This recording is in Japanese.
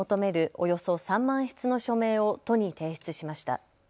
およそ３万筆の署名を都に提出しました。